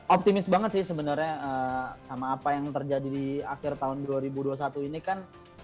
optimis banget sih sebenarnya sama apa yang terjadi di akhir tahun dua ribu dua puluh satu ini kan